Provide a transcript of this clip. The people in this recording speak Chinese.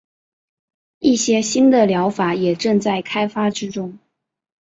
一些新的疗法也正在开发之中。